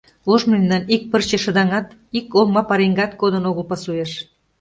Ожно мемнан ик пырче шыдаҥат, ик олмапареҥгат кодын огыл пасуэш...